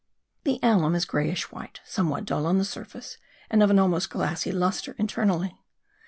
The alum is greyish white, somewhat dull on the surface and of an almost glassy lustre internally.